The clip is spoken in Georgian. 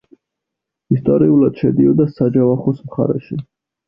ისტორიულად შედიოდა საჯავახოს მხარეში.